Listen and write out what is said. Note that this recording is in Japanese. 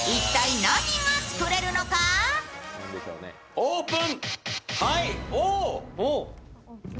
オープン。